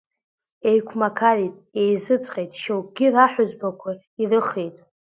Еиқәмақарит, еизыҵҟьеит, шьоукгьы раҳәызбақәа ирыхеит.